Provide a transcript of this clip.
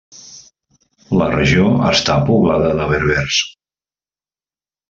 La regió està poblada de berbers.